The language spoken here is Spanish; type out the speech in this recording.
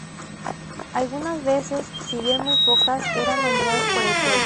Algunas veces, si bien muy pocas, eran nombrados por el pueblo.